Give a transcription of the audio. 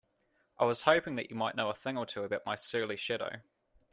I was hoping you might know a thing or two about my surly shadow?